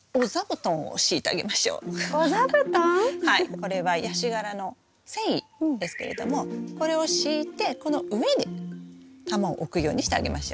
これはヤシ殻の繊維ですけれどもこれを敷いてこの上に玉を置くようにしてあげましょう。